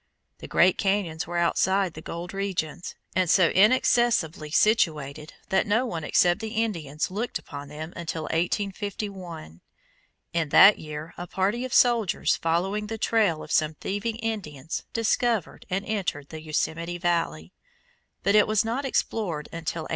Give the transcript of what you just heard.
The great cañons were outside of the gold regions, and so inaccessibly situated that no one except the Indians looked upon them until 1851. In that year a party of soldiers following the trail of some thieving Indians discovered and entered the Yosemite Valley, but it was not explored until 1855.